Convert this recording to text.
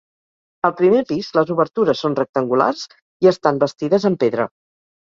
Al primer pis, les obertures són rectangulars i estan bastides en pedra.